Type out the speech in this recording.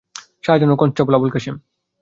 শাহজাহান ও কনস্টেবল আবুল কাশেম।